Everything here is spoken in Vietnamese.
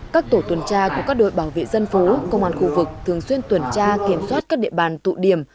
các tổ tuần tra của các đội bảo vệ dân phố công an khu vực thường xuyên tuần tra kiểm soát các địa bàn tụ điểm